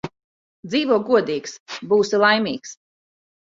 Dzīvo godīgs – būsi laimīgs